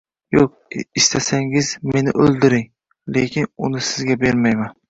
Yoʻq, istasangiz meni oʻldiring, lekin uni sizga bermayman!